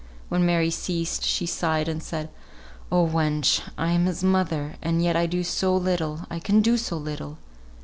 When Mary ceased she sighed and said, "Oh wench! I am his mother, and yet I do so little, I can do so little!